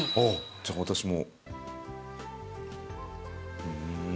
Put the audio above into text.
じゃあ私も。